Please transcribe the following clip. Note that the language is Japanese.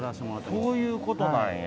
そういうことなんや。